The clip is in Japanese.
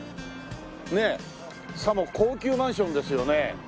さも高級マンションですよね。